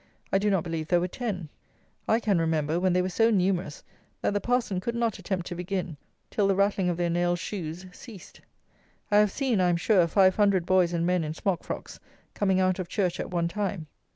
I do not believe there were ten. I can remember when they were so numerous that the parson could not attempt to begin till the rattling of their nailed shoes ceased. I have seen, I am sure, five hundred boys and men in smock frocks coming out of church at one time.